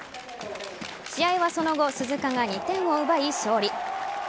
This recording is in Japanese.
試合はその後鈴鹿が２点を奪い、勝利。